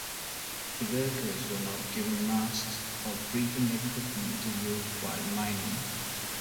The workers were not given masks or breathing equipment to use while mining.